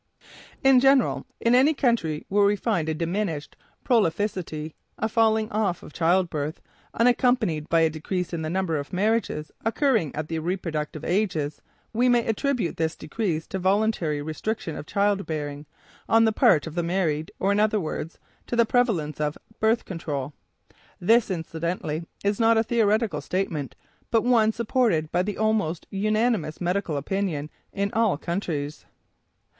In general, in any country where we find a diminished prolificity a falling off of childbirth unaccompanied by a decrease in the number of marriages occurring at the reproductive ages, we may attribute this decrease to voluntary restriction of childbearing on the part of the married, or in other words, to the prevalence of "birth control." This incidentally, is not a theoretical statement, but one supported by the almost unanimous medical opinion in all countries.